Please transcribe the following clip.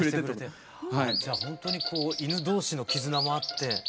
じゃあほんとに犬同士の絆もあって。